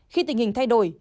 khi tình hình thay đổi